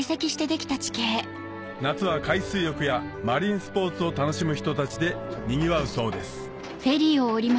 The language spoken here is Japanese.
夏は海水浴やマリンスポーツを楽しむ人たちでにぎわうそうです